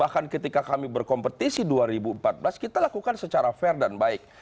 bahkan ketika kami berkompetisi dua ribu empat belas kita lakukan secara fair dan baik